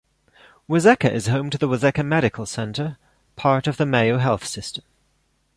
Waseca is home to the Waseca Medical Center, part of the Mayo Health System.